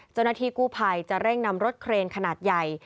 เจ้าหน้าที่กู้ภัยจะเร่งนำรถเครนขนาดใหญ่